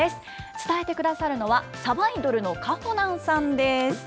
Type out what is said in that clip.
伝えてくださるのは、さばいどるのかほなんさんです。